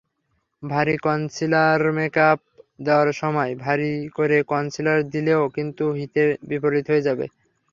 ভারী কনসিলারমেকআপ দেওয়ার সময় ভারী করে কনসিলার দিলেও কিন্তু হিতে বিপরীত হয়ে যাবে।